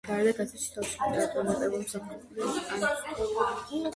მის გარდა, გაზეთში თავის ლიტერატურულ ნაწარმოებებს აქვეყნებდა ანატოლ ფრანსი.